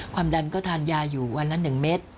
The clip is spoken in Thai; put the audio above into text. ความดันก็ทานยาอยู่วันหนึ่งเมสต์